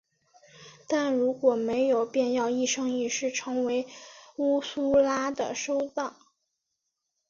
但如果没有便要一生一世成为乌苏拉的收藏。